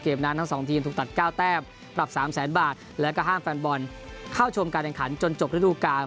เกมนั้นทั้ง๒ทีมถูกตัด๙แต้มปรับ๓๐๐๐๐๐บาทแล้วก็ห้ามแฟนบอลเข้าชมการแข่งขันจนจบฤทธิ์อุปการณ์